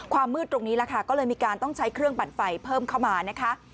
มืดตรงนี้แหละค่ะก็เลยมีการต้องใช้เครื่องปั่นไฟเพิ่มเข้ามานะคะ